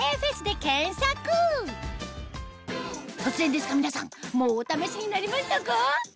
突然ですが皆さんもうお試しになりましたか？